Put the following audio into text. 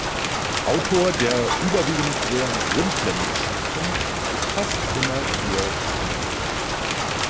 Autor der überwiegend sehr simplen Geschichten ist fast immer Georg Scheu.